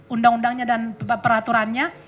undang undangnya dan peraturannya